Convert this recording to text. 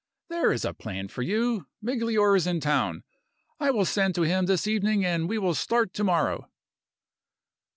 There is a plan for you! Migliore is in town. I will send to him this evening, and we will start to morrow."